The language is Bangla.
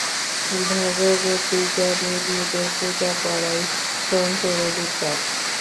ভগবতীজ্ঞানে মেয়েদের পূজা করাই তন্ত্রের অভিপ্রায়।